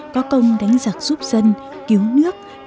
có công đánh giặc giúp dân cứu nước cứu dân